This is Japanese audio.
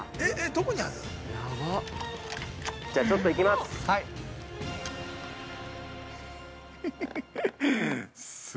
じゃあ、ちょっと行きます。